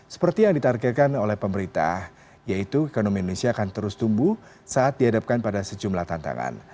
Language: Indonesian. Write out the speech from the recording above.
seperti yang ditargetkan oleh pemerintah yaitu ekonomi indonesia akan terus tumbuh saat dihadapkan pada sejumlah tantangan